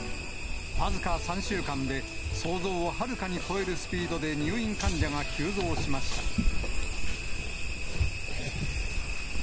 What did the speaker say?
僅か３週間で、想像をはるかに超えるスピードで、入院患者が急増しました。